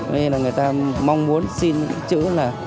nên là người ta mong muốn xin chữ là